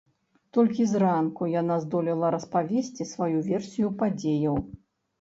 Толькі зранку яна здолела распавесці сваю версію падзеяў.